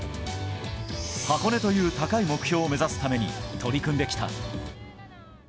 箱根という高い目標を目指すために、取り組んできた。